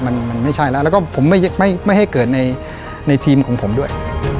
มันไม่ใช่แล้วแล้วก็ผมไม่ให้เกิดในทีมของผมด้วย